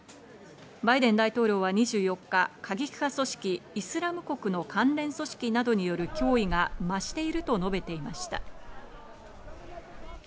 バイデン大統領は２４日、過激派組織イスラム国の関連組織などによる脅威が増していると述べていました。